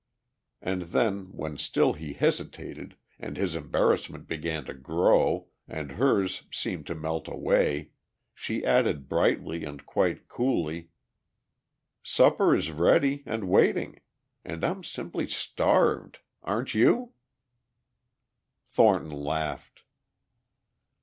And then when still he hesitated, and his embarrassment began to grow and hers seemed to melt away, she added brightly and quite coolly: "Supper is ready ... and waiting. And I'm simply starved. Aren't you?" Thornton laughed.